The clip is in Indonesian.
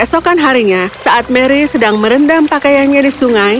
esokan harinya saat mary sedang merendam pakaiannya di sungai